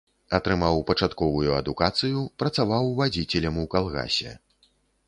Атрымаў пачатковую адукацыю, працаваў вадзіцелем у калгасе.